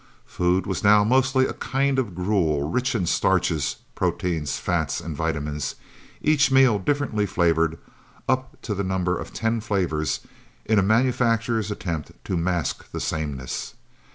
Food was now mostly a kind of gruel, rich in starches, proteins, fats and vitamins each meal differently flavored, up to the number of ten flavors, in a manufacturer's attempt to mask the sameness.